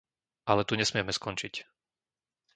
Ale tu nesmieme skončiť.